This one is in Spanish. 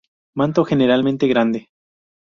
Manto generalmente grande.